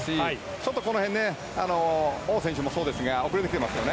ちょっとこの辺オウ選手もそうですが遅れてきていますね。